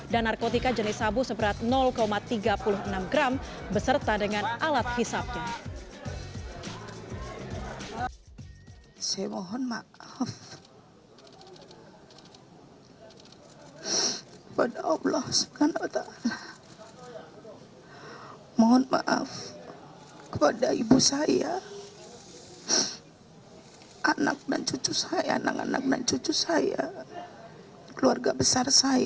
dan narkotika jenis sabu seberat tiga puluh enam gram beserta dengan alat hisapnya